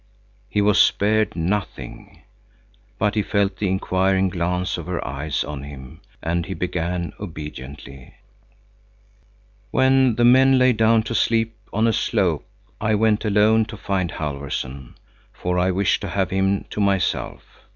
He was spared nothing.—But he felt the inquiring glance of her eyes on him and he began obediently: "When the men lay down to sleep on a slope, I went alone to find Halfvorson, for I wished to have him to myself.